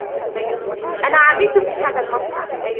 أنا عملت في هذا المصنع.